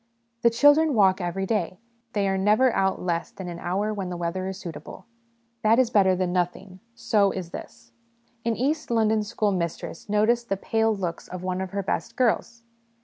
' The children walk every day ; they are never out less than an hour when the weather is suitable.' That is better than nothing ; so is this : An East London school mistress notices the pale looks of one of her best girls.